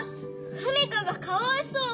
史佳がかわいそう！